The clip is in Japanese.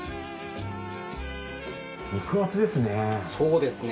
肉厚ですね。